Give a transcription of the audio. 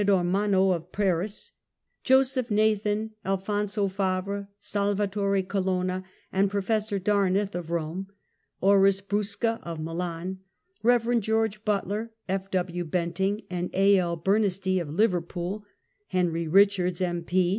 125 Theodore Manocl, of Paris; Joseph iTathaii, Alphonso Tavre, Salvantore Colonna and Prof. Darneth, of Eome ; Orris Brusca, of Milan ; Pev. George Butler, F. W. Benting and A. L. Bernistee, of Liverpool ; Henry Richards, M. P.